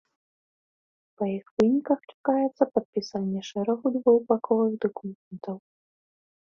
Па іх выніках чакаецца падпісанне шэрагу двухбаковых дакументаў.